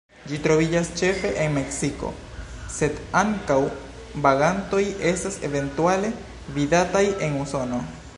Ĝi troviĝas ĉefe en Meksiko, sed ankaŭ vagantoj estas eventuale vidataj en Usono.